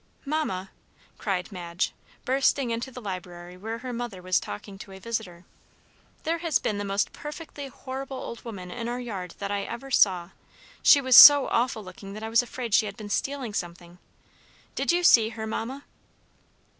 "Mamma!" cried Madge, bursting into the library where her mother was talking to a visitor. "There has been the most perfectly horrible old woman in our yard that I ever saw. She was so awful looking that I was afraid she had been stealing something. Did you see her, Mamma?"